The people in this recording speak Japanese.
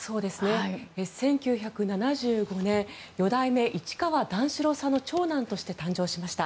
１９７５年四代目市川段四郎さんの長男として誕生しました。